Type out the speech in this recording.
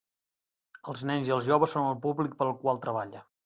Els nens i els joves són el públic per al qual treballa.